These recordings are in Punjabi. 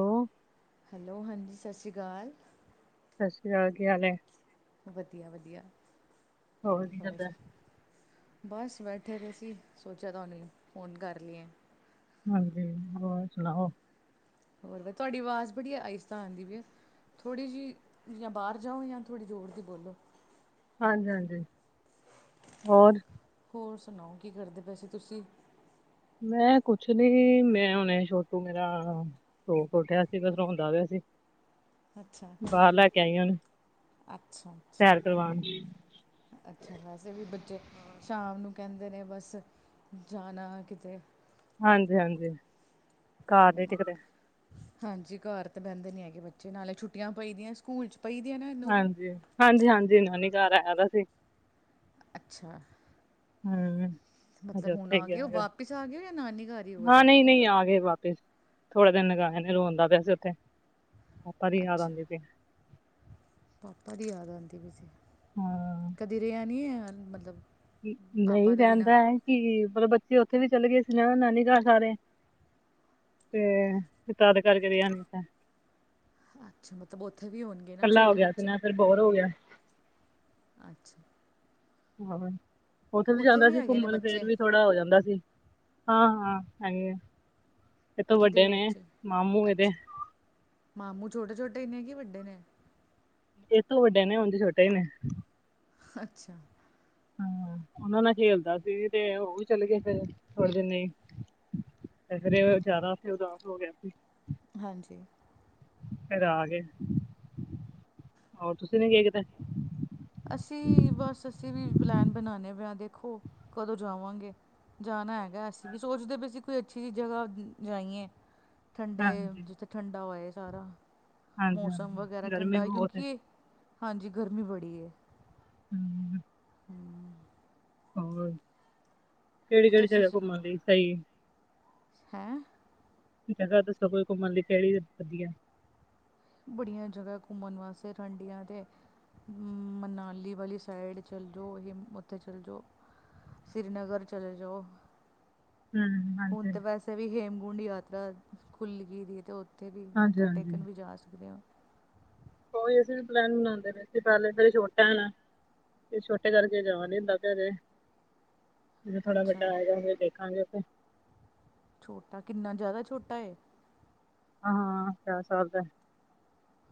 ਹੈਲੋ, ਹੈਲੋ ਹਾਂਜੀ ਸਤਿ ਸ਼੍ਰੀ ਅਕਾਲ ਸਤਿ ਸ਼੍ਰੀ ਅਕਾਲ, ਕੀ ਹਾਲ ਹੈ ਵਧੀਆ ਵਧੀਆ ਵਧੀਆ ਹੋਰ ਤਾਂ ਬਸ ਬੈਠੇ ਦੇ ਸੀ, ਸੋਚਿਆ ਤੁਹਾਨੂੰ ਫੋਨ ਕਰ ਲਈਏ ਹਾਂਜੀ ਹੋਰ ਸੁਣਾਓ ਹੋਰ, ਤੁਹਾਡੀ ਆਵਾਜ਼ ਬੜੀਆ ਆਇਸਤਾ ਆਂਦੀ ਪਈ ਐ ਥੋ੍ਹੀ ਜਿਹੀ, ਜਾ ਬਾਹਰ ਜਾਓ, ਜਾਂ ਥੋੜੀ ਜ਼ੋਰ ਦੀ ਬੋਲੋ ਹਾਂਜੀ ਹਾਂਜੀ ਹੋਰ ਹੋਰ ਸੁਣਾਓ ਕੀ ਕਰਦੇ ਪੈ ਸੀੇ ਤੁਸੀਂ ਮੈਂ ਕੁਛ ਨੀ, ਮੈਂ ਹੁਣੇ ਛੋਟੂ ਮੇਰਾ ਸੋ ਕੇ ਉੱਠਿਆ ਸੀ, ਬੱਸ ਰੋਂਦਾ ਪਿਆ ਸੀ। ਅੱਛਾ ਬਾਹਰ ਲੈ ਕੇ ਆਈ ਆ ਉਹਨੁੰ, ਅੱਛਾ ਅੱਛਾ ਸੈਰ ਕਰਵਾਣ। ਅੱਛਾ ਵੈਸੇ ਵੀ ਬੱਚੇ, ਸ਼ਾਮ ਨੂੰ ਕਹਿੰਦੇ ਨੇ ਬਸ ਜਾਣਾ ਕਿਤੇ ਹਾਂਜੀ-ਹਾਂਜੀ। ਘਰ ਹੂੰ, ਨੀ ਟਿਕਦੇ ਹਾਂਜੀ ਘਰ ਤੇ ਬਹਿੰਦੇ ਨੀ ਹੈਗੇ ਬੱਚੇ, ਨਾਲੇ ਛੁੱਟੀਆਂ ਪਈ ਦੀਆਂ ਸਕੂਲ ਚ। ਪਈ ਦੀਆਂ ਨਾ ਇਹਨੂੰ ਵੀ ਹਾਂਜੀ, ਹਾਂਜੀ-ਹਾਂਜੀ ਨਾਨੀ ਕਾਰ ਆਯਾ ਦਾ ਸੀ। ਅੱਛਾ। ਹੂੰ। ਹਜੇ ਮਤਲਬ ਹੁਣ ਉੱਥੇ ਆ ਗਿਆ ਗਏ ਹੋ ਹੈਗਾ? ਵਾਪਿਸ ਆ ਗਏ ਹੋ ਜਾਂ ਨਾਨੀ ਘਰ ਹੀ ਹੋ ਹਾਂ ਅਜੇ ਨਹੀਂ-ਨਹੀਂ ਆ ਗਏ ਵਾਪਿਸ। ਥੋੜੇ ਦਿਨ ਲਗਾਏ ਨੇ, ਰੋਂਦਾ ਪਿਆ ਸੀ ਉੱਥੇ, ਪਾਪਾ ਦੀ ਯਾਦ ਅੱਛਾ ਆਉਂਦੀ ਪਈ। ਪਾਪਾ ਦੀ ਯਾਦ ਆਉਂਦੀ ਵੀ ਸੀ, ਹਾਂ। ਕਦੀ ਰਿਆ ਨਹੀਂ ਆ ਮਤਲਬ? ਪਾਪਾ ਨਈ ਦੇ ਬਿਨਾਂ ਰਹਿੰਦਾ ਹੈ ਕਿ, ਮਤਲਬ ਬੱਚੇ ਉੱਥੇ ਵੀ ਚਲੇ ਗਏ ਸੀ ਨਾ, ਨਾਨੀ ਕਾਰ ਸਾਰੇ। ਤੇ ਤਾਦ ਕਰਕੇ ਰੇਆ ਅੱਛਾ, ਮਤਲਬ ਉੱਥੇ ਵੀ ਹੋਣਗੇ ਨਾ ਛੋਟੇ ਬੱਚੇ? ਬੌਰ ਹੋ ਗਿਆ ਅੱਛਾ। ਹਾਂ, ਉੱਥੇ ਵੀ ਜਾਂਦਾ ਸੀ ਹੈਗੇ ਨੇ ਘੁੰਮਣ, ਬੱਚੇ ਫਿਰ ਵੀ ਥੋੜਾ ਹੋ ਜਾਂਦਾ ਸੀ। ਹਾਂ-ਹਾਂ ਹੈਗੇ ਆ, ਏਹਥੋਂ ਕਿਹਦੇ ਵੱਡੇ ਨੇ, ਬੱਚੇ ਮਾਮੂ ਇਹਦੇ। ਅੱਛਾ ਮਾਮੂ ਛੋਟੇ-ਛੋਟੇ ਈ ਨੇ, ਕੀ ਵੱਡੇ ਨੇ? ਇਹਥੋਂ ਵੱਡੇ ਨੇ, ਉਂਜ ਛੋਟੇ ਨੇ। ਅੱਛਾ। ਹਾਂ, ਉਹਨਾਂ ਨਾਲ ਖੇਲਦਾ ਸੀ, ਤੇ ਉਹ ਵੀ ਚਲੇ ਗਏ ਫੇਰ ਥੋੜੇ ਦਿਨ ਲਈ। ਤੇ ਫੇਰ ਜ਼ਿਆਦਾ ਉਥੇ ਉਦਾਸ ਹੋ ਗਿਆ ਸੀੇ। ਹਾਂਜੀ। ਫੇਰ ਆ ਗਏ, ਹੋਰ ਤੁਸੀਂ ਨੀ ਗਏ ਕਿਤੇ? ਅਸੀਂ, ਬਸ ਅਸੀਂ ਵੀ ਪਲੈਨ ਬਣਾਣੇ ਬਏ ਆ, ਦੇਖੋ ਕਦੋਂ ਜਾਵਾਂਗੇ? ਜਾਣਾ ਹੈਗਾ ਅਸੀਂ ਵੀ, ਸੋਚਦੇ ਬੇ ਸੀ ਕੋਈ ਅੱਛੀ ਜਿ ਜਗ੍ਹਾ ਜਾਈਏ, ਠੰਡੇ ਹਾਂਜੀ ਜਿੱਥੇ ਠੰਡਾ ਹੋਏ ਸਾਰਾ, ਹਾਂਜੀ ਮੌਸਮ ਵਗੈਰਾ ਹਾਂਜੀ ਗਰਮੀ ਠੰਡਾ, ਬਹੁਤ ਹੈ ਕਿਉਂਕਿ ਇਹ ਹਾਂਜੀ, ਗਰਮੀ ਬੜੀ ਏ। ਹੂੰ। ਹੋਰ? ਕੇਅੜੀ-ਕੇਅੜੀ ਤੁਸੀਂ ਜਗ੍ਹਾ ਸੁਣਾਓ ਘੁੰਮਣ ਲਈ ਸਹੀ? ਹੈਂ? ਜਗ੍ਹਾ ਦੱਸੋ ਕੋਈ ਘੁੰਮਣ ਲਈ, ਕੇੜੀ ਵਧੀਆ ਏ? ਬੜੀਆਂ ਜਗ੍ਹਾ ਘੁੰਮਣ ਵਾਸਤੇ ਠੰਡੀਆਂ ਤੇ। ਹੂ ਮਨਾਲੀ ਵਾਲੀ ਸਾਈਡ ਚੱਲ ਜਓ, ਹੇਮ, ਓਥੇ ਚਲ ਜਓ। ਸ੍ਰੀਨਗਰ ਚਲੇ ਜਾਓ। ਹਮ ਹੁਣ ਹਾਂਜੀ ਤੇ ਵੈਸੇ ਵੀ ਹੇਮਕੁੰਡ ਯਾਤਰਾ, ਖੁੱਲ ਗੀ ਦੀ ਏ, ਤੇ ਔ ਓਥੇ ਵੀ, ਮੱਥਾ ਹਾਂਜੀ-ਹਾਂਜੀ। ਟੇਕਣ ਵੀ ਜਾ ਸਕਦੇ ਆਂ। ਕੋਈ ਅਸੀਂ ਵੀ ਪਲੈਨ ਬਨਾਦੇ ਪਏ ਸੀ, ਪੈਲੇ ਬਈ ਛੋਟਾ ਐ ਨਾ। ਤੇ ਛੋਟੇ ਕਰਕੇ ਜਾ ਨੀ ਹੁੰਦਾ ਪਿਆ ਅਜੇ, ਜਦੋਂ ਥੋੜਾ ਅੱਛਾ ਵੱਡਾ ਹੋਏਗਾ, ਫੇਰ ਦੇਖਾਂਗੇ ਓਥੇ ਛੋਟਾ, ਕਿੰਨਾ ਜ਼ਾਦਾ ਛੋਟਾ ਏ? ਹਾਂ, ਚਾਰ ਸਾਲ ਦਾ ਏ।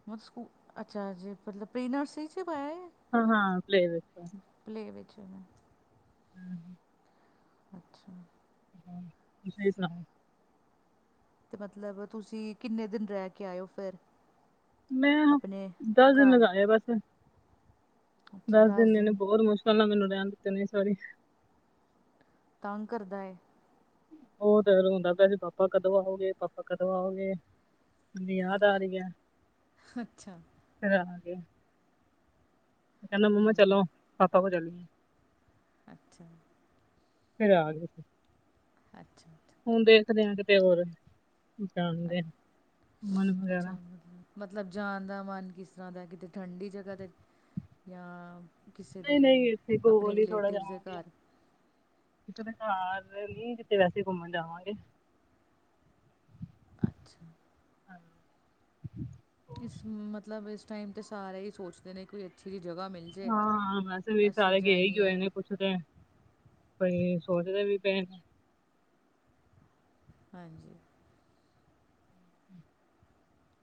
ਮਤਲਬ ਸਕੂ, ਅੱਛਾ ਅਜੇ ਮਤਲਬ ਪ੍ਰੀਨਰਸਰੀ ਚ ਈ ਪਾਇਆ ਏ? ਹਾਂ-ਹਾਂ ਪਲੇ ਵੇ ਵਿੱਚ ਪਲੇ ਵੇ ਵਿੱਚ ਹੋਣਾ ਏ। ਹੂੰ-ਹੂੰ। ਅੱਛਾ। ਹਾਂ, ਤੁਸੀਓ ਈ ਸੁਣਾਓ? ਤੇ ਮਤਲਬ ਤੁਸੀ ਕਿੰਨੇ ਦਿਨ ਰਹਿ ਕੇ ਆਇਓ ਫੇਰ? ਮੈਂ ਦਸ ਦਿਨ ਘਰ ਲਗਾਆ ਬਸ, ਅੱਛਾ ਦੱਸ ਦਸ ਦਿਨ ਇਹੈਨੂੰ ਬਹੁਤ ਮੁਸ਼ਕਿਲ ਫਲ ਮਨੜੇ ਆਣ ਨੇ ਸਾਰੀ [unintelligible] ਤਾਂਗ ਕਰਦਾ ਏ? ਉਹ ਤੇ ਰੋਂਦਾ ਪਯਾਏ ਪਾਪਾ ਕਦੋ ਆਓਗੇ ਪਾਪਾ ਕਦੋ ਆਓਗੇ? ਹਾਂ ਯਾਦ ਆ ਰਹੀ ਆ ਅੱਛਾ ਗਿਆ [unintelligible] ਕੈੰਦਾ ਮੰਮਾ ਹਮ ਚਲੋ, ਪਾਪਾ ਕੋ ਚੱਲੀਏ। ਅੱਛਾ। ਫਿਰ ਆ ਜਾ ਅੱਛਾ ਅਛ ਹੁਨ ਦੇਖਦੇ ਆਂ ਕਿਤੇ ਹੋਰ, ਜਾਨਦੇ ਅੱਛ ਘੁੰਮਣ ਅੱਛਾ ਵਗੈਰਾ ਮਤਲਬ ਮਤਲਬ ਜਾਨ ਦਾ ਮਨ ਕਿਸ ਤਰ੍ਹਾਂ ਦਾ ਏ ਕਿਤੇ ਠੰਡੀ ਜਗ੍ਹਾ ਤੇ, ਤ ਜਾਂ ਕਿਸੇ ਨਹੀਂ ਦੇ ਨਹੀਂ ਇੱਥੇ ਆਪਣੇ ਕੋਲ ਹੀ ਥੋੜਾ ਰਿਲੇਟਿਵਸ ਦੇ ਜਾਵਾਂਗੇ ਘਰ ਕਿਸੇ ਦੇ ਘਾਰ ਤੇ ਨੀ, ਕਿਤੇ ਵੈਸੇ ਘੁੰਮਣ ਜਾਵਾਂਗੇ। ਅੱਛਾ। ਕਿਸ ਮਤਲਬ ਇਸ ਟਾਈਮ ਤੇ ਸਾਰੇ ਈ ਸੋਚਦੇ ਨੇ ਕੋਈ ਅੱਛੀ ਜੀ ਜਗ੍ਹਾ ਮਿਲ ਜੇ ਹਾਂ ਵੈਸੇ ਵੀ ਅਸੀਂ ਸਾਰੇ ਗਏ ਈ ਹੋਏ ਜਾਈਏ ਨੇ ਕੁਛ ਏ ਸੋਚਦੇ ਵੀ ਪਏ। ਹਾਂਜੀ।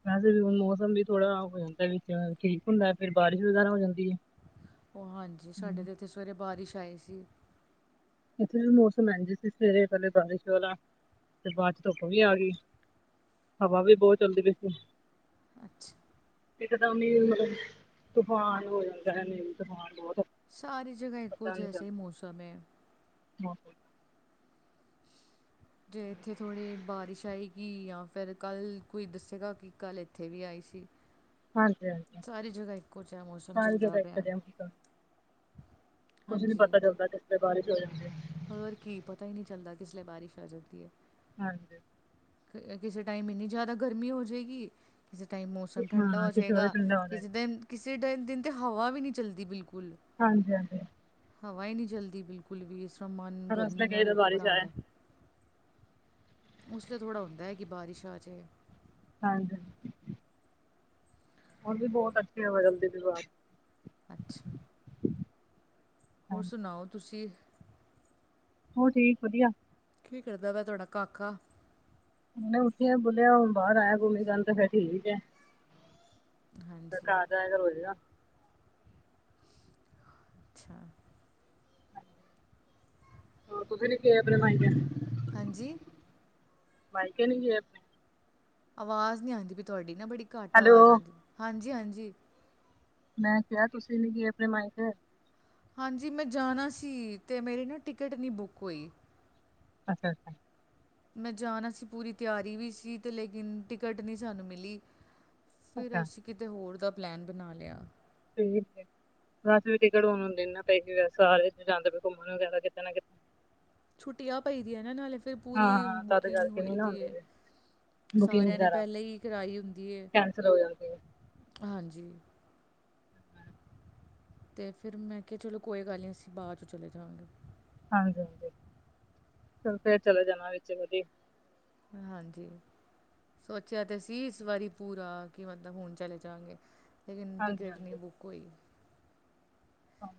ਵੈਸੇ ਵੀ ਹੁਣ ਮੋਸਮ ਵੀ ਥੋੜਾ ਹੋ ਜਾਂਦੈ ਵਿੱਚ ਠੀਕ ਹੁੰਦੈ ਫਿਰ ਬਾਰਿਸ਼ ਵਗੈਰਾ ਹੋ ਜਾਂਦੀ ਏ। ਓ ਹਾਂਜੀ ਸਾਡੇ ਤੇ ਏਥੇ ਸਵੇਰੇ ਬਾਰਿਸ਼ ਆਈ ਸੀ। ਏਥੇ ਵੀ ਮੌਸਮ ਐਂਜ ਸੀ ਸਵੇਰੇ ਪੈਲੇ ਬਾਰਿਸ਼ ਵਾਲਾ, ਤੇ ਬਾਦ 'ਚ' ਧੁੱਪ ਵੀ ਆ ਗਈ। ਹਵਾ ਵੀ ਬੋਤ ਚੱਲਦੀ ਪਈ ਸੀ। ਅੱਛਾ। ਇੱਕ ਦਮ ਈ ਮਤਲਬ ਤੂਫਾਨ ਹੋ ਜਾਂਦਾ ਐ, ਨੇਰੀ ਤੂਫਾਨ ਬੋਤ ਸਾਰੀ ਜਗ੍ਹਾ ਇਕੋ ਜੈਸਾ ਈ ਮੋਸਮ ਏ। [unintelligible] ਜੇ ਏਥੇ ਥੋੜ੍ਹੀ ਬਾਰਿਸ਼ ਆਏਗੀ ਯਾ ਫੇਰ ਕੱਲ੍ਹ ਕੋਈ ਦੱਸੇਗਾ ਕੀ ਕੱਲ੍ਹ ਏਥੇ ਵੀ ਆਈ ਸੀ। ਹਾਂਜੀ ਹਾਂਜੀ ਸਾਰੀ ਜਗ੍ਹਾ ਇੱਕੋ ਜਿਆ ਮੋਸਮ ਸਾਰੇ ਚੱਲਦਾ ਜਗ੍ਹਾ ਇੱਕ ਪਿਆ। ਜਿਹਾ ਮੌਸਮ ਕੁਛ ਨੀ ਹਾਂਜੀ ਪਤਾ ਚੱਲਦਾ ਕਿਸ ਲੇ ਬਾਰਿਸ਼ ਹੋ ਜਾਂਦੀ। ਹੋਰ ਕੀ ਪਤਾਈ ਨੀ ਚੱਲਦਾ ਕਿਸਲੇ ਬਾਰਿਸ਼ ਆ ਜਾਂਦੀ ਏ। ਹਾਂਜੀ। ਕਿਸੇ ਟਾਈਮ ਇੰਨੀ ਜ਼ਿਆਦਾ ਗਰਮੀ ਹੋ ਜੇਗੀ। ਕਿਸੇ ਟਾਈਮ ਮੌਸਮ ਠੰਡਾ ਹਾਂ ਹੋ ਕਿਸੇ ਵੇਲੇ ਜੇਗਾ, ਠੰਡਾ ਹੋ ਕਿਸੇ ਜਾਏਗਾ ਦਿਨ ਕਿਸੇ ਡ ਦਿਨ 'ਤੇ ਹਵਾ ਵੀ ਨਹੀਂ ਚੱਲਦੀ ਬਿਲਕੁਲ। ਹਾਂਜੀ- ਹਾਂਜੀ। ਹਵਾ ਈ ਨੀਂ ਚਲਦੀ ਬਿਲਕੁਲ ਵੀ ਇਸ ਰ੍ਹਾਂ ਮਨ ਹਰ ਉਸ ਗਰਮੀ ਵੇਲੇ ਕਹੀਦਾ ਨਾਲ ਬਾਰਿਸ਼ ਆਏ ਘਬਰਾਂਦੈ। ਉਥਥੋੜਾ ਹੁੰਦੈ ਕਿ ਬਾਰਿਸ਼ ਆਜੇ। ਹਾਂਜੀ। ਹੁਰ ਵੀ ਬਹੁਤ ਅੱਛੇ ਹੈ ਵਗਲਦੀ ਵਿਵਾਾਰ [unintelligible] ਅੱਛਾ। ਹੋਰ ਹਾਂਜੀ ਸੁਨਾਓ ਤੁਸੀ? ਹੋ ਠੀਕ ਵਧੀਆ। ਕੀ ਕਰਦੈ ਵੈ ਤੁਹਾਡਾ ਕਾਕਾ? ਹੁਨੇ ਉੱਠੀ ਆ ਬੋਲਿਆ ਹੁਣ ਬਾਰ ਆਇਆ ਘੁੰਮੀ ਕਰਨ ਫਿਰ ਠੀਕ ਐ। ਹਾਂਜੀ, ਜਾਇਆ ਕਰ ਹੋਏਗਾ ਅੱਛਾ। ਹੋਰ ਤੁਸੀ ਨੀ ਗਏ ਅਪਣੇ ਮਾਇਂਕੇ? ਹਾਂਜੀ? ਮਾਇਕੇ ਨੀ ਗਏ ਅਪਣੇ? ਅਵਾਜ਼ ਨੀ ਆਂਦੀ ਪਈ ਤੁਆਡੀ ਨਾ ਬੜੀ ਘੱਟ ਆਵਾਜ਼ ਹੈਲੋ ਆਂਦੀ, ਹਾਂਜੀ- ਹਾਂਜੀ। ਮੈਂ ਕਿਆ ਤੁਸੀਂ ਨੀ ਗਏ ਆਪਣੇ ਮਾਈਕੇ। ਹਾਂਜੀ ਮੈਂ ਜਾਣਾ ਸੀ ਤੇ ਮੇਰੀ ਨਾ ਟਿਕਟ ਨੀ ਬੁੱਕ ਓਈ। ਅੱਛਾ ਅੱਛਾ ਮੈਂ ਜਾਣਾ ਸੀ ਪੂਰੀ ਤਿਆਰੀ ਵੀ ਸੀ ਤੇ ਲੇਕਿਨ ਟਿਕਟ ਨੀ ਸਾਨੂੰ ਮਿਲੀ ਫਿਰ ਅੱਛਾ ਅਸੀਂ ਕਿਤੇ ਹੋਰ ਦਾ ਪਲੈਨ ਬਣਾ ਲਿਆ। [inaudible] ਬਸ ਵੀ ਟਿਕਟ ਹੋਣ ਨੂੰ ਦੇ ਨਾ ਪਏ ਸੀ ਸਾਰੇ ਜਾਂਦੇ ਘੁੰਮਣ ਵਗੈਰਾ ਕਿਤੇ ਨਾ ਕਿ ਛੁੱਟੀਆਂ ਪਈਦੀਆਂ ਨਾ ਨਾਲੇ ਫਿਰ ਹਾਂ ਪੂਰੀ ਹਾਂ ਤਦ ਬੁਕਿੰਗ ਕਰਕੇ ਹੋਏ ਨੀ ਨਾ ਦੀ ਹੁੰਦੀ ਹੈ। ਪਈ ਬੁਕਿੰਗ ਸਾਰਿਆਂ ਨੇ ਵਗੈਰਾ ਪਹਿਲੇਾਂ ਹੀ ਕਰਾਈ ਹੁੰਦੀ ਕੈਂਸਲ ਹੋ ਜਾਂਦੀ ਹੈ ਹਾਂਜੀ ਹਮ ਤੇ ਫਿਰ ਮੈਂ ਕਿਹਾ ਚਲੋ ਕੋਈ ਗੱਲ ਨਹੀਂ ਅਸੀਂ ਬਾਅਦ ਚ ਚਲੇ ਜਾਵਾਂਗੇ। ਹਾਂਜੀ ਹਾਂਜੀ ਚਲ ਫੇਰ ਚਲੇ ਜਾਣਾ ਵਿੱਚ ਵਧੀ ਹਾਂਜੀ। ਸੋਚਿਆ ਤੇ ਅਸੀ ਇਸ ਵਾਰੀ ਪੂਰਾ ਕਿ ਮਤਲਬ ਹੁਣ ਚਲੇ ਜਾਵਗੇ। ਲੇਕਿਨ ਹਾਂਜੀ ਟਿਕਟ ਨਹੀਂ ਬੁੱਕ ਹੋ ਹਾਂ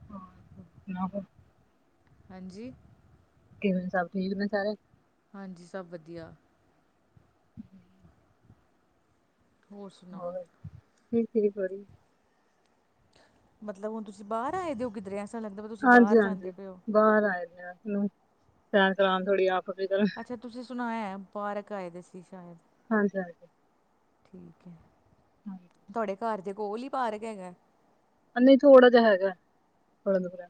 ਹਾਂ ਹਾਂਜੀ। ਸਭ ਠੀਕ ਨੇ ਸਾਰੇ। ਹਾਂਜੀ ਸਭ ਵਧੀਆ। ਹਮ ਹੋਰ ਸੁਣਾਓ? ਹਠ ਕੀ ਬੀ ਮਤਲਬ ਹੁਣ ਤੁਸੀਂ ਬਾਹਰ ਆਏ ਹੋ ਕਿੱਧਰਿਆ ਹਾਂਜੀ ਹਾਂਜੀ ਬਾਹਰ ਆਏ ਆਨੂੰ ਸੈਰ ਕਰਉਣ ਥੋੜੀ ਆਪ ਵੀ ਕਰਨ ਅੱਛਾ ਤੁਸੀਂ ਸੁਣਾਇਆ ਪਾਰਕ ਆਏ ਦੇ ਸੀ ਸ਼ਾਇਦ ਹਾਂਜੀ ਹਾਂਜੀ ਠੀਕ ਹੈ ਹਾਂਜੀ ਤੁਹਾਡੇ ਘਰ ਦੇ ਕੋਲ ਹੀ ਪਾਰਕ ਹੈਗਾ। ਨਹੀਂ ਥੋੜ੍ਹਾ ਜਿਹਾ ਹੈਗਾੜੰਦਪਰਾ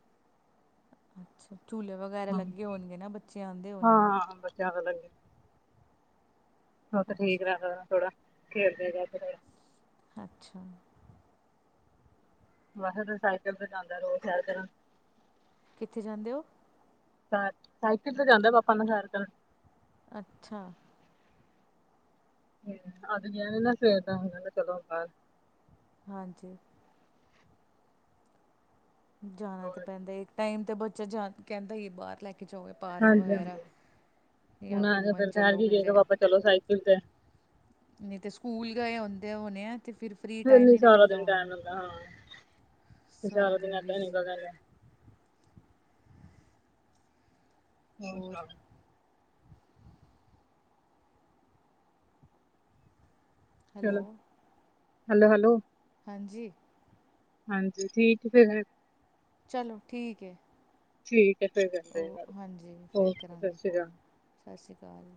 ਅੱਛਾ ਝੂਲੇ ਵਗੈਰਾ ਹਾਂ ਲੱਗੇ ਹੋਣਗੇ ਨਾ ਬੱਚੇ ਆਉਂਦੇ ਹੋਣੇ ਨੇ ਜ਼ਿਆਦਾ ਲੱਗ ਹੈ। ਹੋ ਤੇ ਠੀਕ ਲ ਅੱਛਾ ਥੋੜਾ ਖੇਡਦੇ ਜਾ ਕੇ ਅੱਛਾ। ਵੇਸੇ ਤੇ ਸਾਈਕਲ ਤੇ ਜਾਂਦਾ ਕਰੋ ਸੈਰ ਕਰਨ ਕਿੱਥੇ ਜਾਂਦੇ ਹੋ? [unintelligible] ਸਾਈਕਲ ਤੇ ਜਾਂਦਾ ਪਾਪਾ ਨਾਲ ਸੈਰ ਕਰਨ ਅੱਛਾ। [inaudible] ਹਾਂਜੀ। ਜਾਣਾ ਹੋਰ ਤਾਂ ਪੈਂਦਾ ਇੱਕ ਟਾਈਮ ਤੇ ਬੱਚਾ ਜਾ ਕਹਿੰਦਾ ਹਿ ਏ ਬਾਹਰ ਲੈ ਕੇ ਜਾੳ ਪਾਰਕ ਹਾਂਜੀ ਵਗੈਰਾ ਹਾਂਜੀ ਜਾਂ ਹੁਣ ਆ ਘੁੰਮਣ ਫਿਰ ਠਹਿਰ ਚੱਲੋ ਕੇ ਗਏ ਕਿਧਰੇ ਪਾਪਾ ਚਲੋ ਸਾਇਕਲ ਤੇ ਨਹੀਂ ਤੇ ਸਕੂਲ ਗਏ ਆਉਂਦੇ ਹੋਣੇ ਆ। ਤੇ ਫਿਰ ਫਰੀ ਟਾਈਮ ਨੀ ਨਿ ਨਾ ਸਾਰਾ ਮਿਲਦਾ ਦਿਨ ਹੋਣਾ। ਟਾਈਮ ਲੱਗਦਾ ਹਾਂ, ਫਿਰ ਸਾਰਾ ਦਿਨ ਏਦਾਂ ਹੀ ਨਿਕਲ ਜਾਂਦਾ ਹੋ ਚ ਹੋਰ ਚਲੋ ਹੈਲੋ ਹੈਲੋ ਹੈਲੋ ਹਾਂਜੀ ਹਾਂਜੀ ਠੀਕ ਫਿਰ। ਚਲੋ ਠੀਕ ਹੈ। ਠੀਕ ਫੇਰ। ਉਹ ਹਾਂਜੀ ਫੇਰ ਕਰਾਂਗੀ ਫੋਨ ਅਕਾਲ ਸਤਿ ਸ਼੍ਰੀ ਅਕਾਲ।